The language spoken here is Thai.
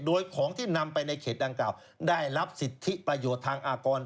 โดยของที่นำไปในเขตดังกล่าวได้รับสิทธิประโยชน์ทางอากร